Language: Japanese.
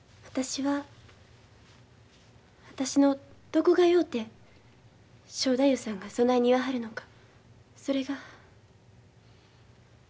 私は私のどこがようて正太夫さんがそないに言わはるのかそれが。